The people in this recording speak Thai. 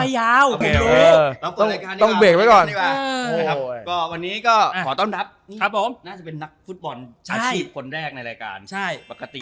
ยิ้มแย้มแจ่มใสเลยมาวิกนี้